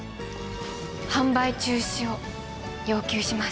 販売中止を要求します。